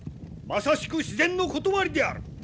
まさしく自然のことわりである。